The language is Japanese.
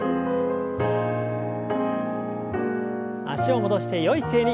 脚を戻してよい姿勢に。